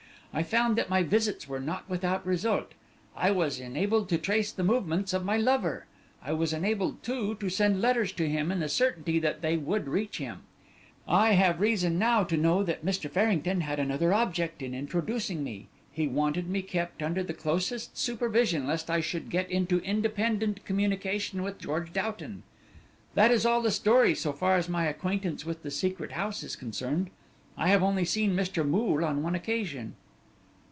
I found that my visits were not without result. I was enabled to trace the movements of my lover; I was enabled, too, to send letters to him in the certainty that they would reach him. I have reason now to know that Mr. Farrington had another object in introducing me; he wanted me kept under the closest observation lest I should get into independent communication with George Doughton. That is all the story so far as my acquaintance with the Secret House is concerned. I have only seen Mr. Moole on one occasion."